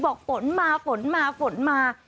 ฝนมาฝนมาฝนมา